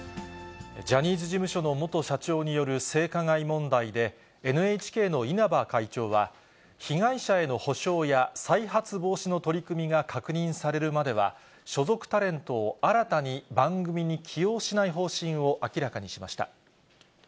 ジャニーズ事務所の元社長による性加害問題で、ＮＨＫの稲葉会長は、被害者への補償や再発防止の取り組みが確認されるまでは、所属タレントを新たに番組に起用しない方針を明らかにしました。